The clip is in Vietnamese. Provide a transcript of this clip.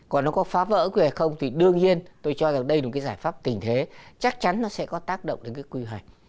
còn nó có phá vỡ quy hoạch không thì đương nhiên tôi cho rằng đây là một cái giải pháp tình thế chắc chắn nó sẽ có tác động đến cái quy hoạch